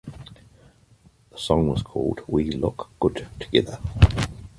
The song was called "We Look Good Together".